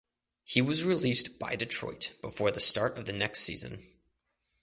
He was released by Detroit before the start of the next season.